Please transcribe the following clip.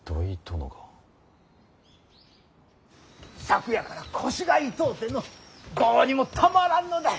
昨夜から腰が痛うてのどうにもたまらんのだ。